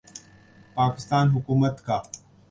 پاکستان حکومت کا